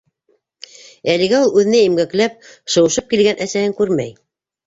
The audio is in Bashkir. Әлегә ул үҙенә имгәкләп, шыуышып килгән әсәһен күрмәй.